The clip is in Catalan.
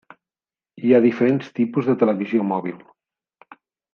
Hi ha diferents tipus de televisió mòbil.